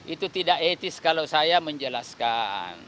itu tidak etis kalau saya menjelaskan